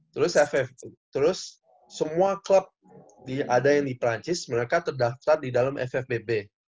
terus ff terus semua klub yang ada di prancis mereka terdaftar di dalam ffbb